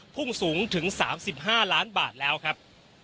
พุ่งสูงถึง๓๕ล้านบาทแล้วครับ